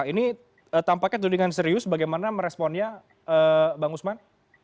ini tampaknya tudingan serius bagaimana meresponnya bang usman